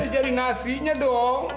jadi nasinya dong